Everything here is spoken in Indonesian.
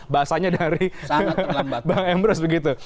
bahasanya dari bang emrus begitu